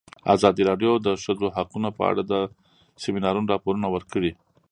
ازادي راډیو د د ښځو حقونه په اړه د سیمینارونو راپورونه ورکړي.